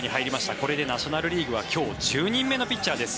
これでナショナル・リーグは今日１０人目のピッチャーです。